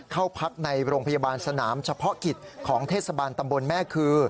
เข้าพักในโรงพยาบาลสนามเฉพาะกิจของเทศบาลตำบลแม่คือ